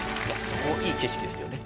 そこ良い景色ですよね。